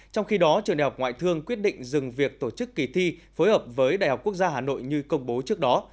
trong khi đó trường đại học ngoại thương quyết định dừng việc tổ chức kỳ thi phối hợp với đại học quốc gia hà nội như công bố trước đó